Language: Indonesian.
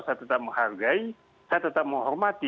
saya tetap menghargai saya tetap menghormati